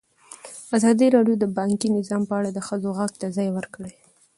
ازادي راډیو د بانکي نظام په اړه د ښځو غږ ته ځای ورکړی.